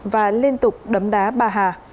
và liên tục đấm đá bà hà